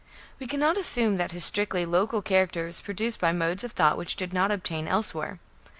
We cannot assume that his strictly local character was produced by modes of thought which did not obtain elsewhere.